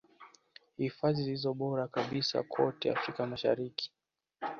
Hifadhi zilizo bora kabisa kote Afrika Mashariki